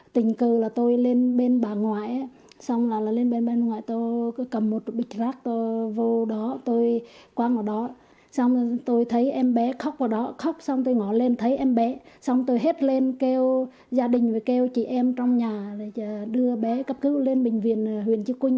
tình cờ là tôi lên bên bà ngoại xong là lên bên bà ngoại tôi cứ cầm một bịch rác tôi vô đó tôi quang vào đó xong tôi thấy em bé khóc vào đó khóc xong tôi ngó lên thấy em bé xong tôi hét lên kêu gia đình và kêu chị em trong nhà để đưa bé cấp cứu lên bệnh viện huyện chư quynh